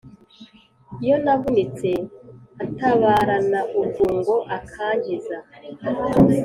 iyo navunitse atabarana ubwungo akankiza